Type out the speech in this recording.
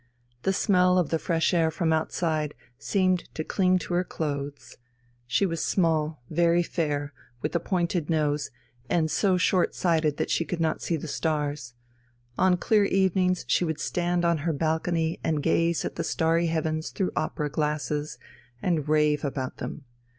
The smell of the fresh air from outside seemed to cling to her clothes. She was small, very fair, with a pointed nose, and so short sighted that she could not see the stars. On clear evenings she would stand on her balcony and gaze at the starry heavens through opera glasses, and rave about them.